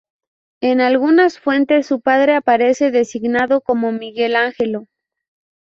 En algunas fuentes su padre aparece designado como Miguel Angelo.